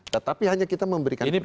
tetapi hanya kita memberikan